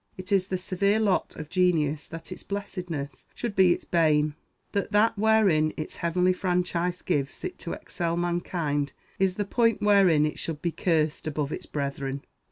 It is the severe lot of genius that its blessedness should be its bane; _that that wherein its heavenly franchise gives it to excel mankind is the point wherein it should be cursed above its brethren_!"